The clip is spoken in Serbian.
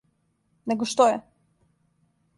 Него што је!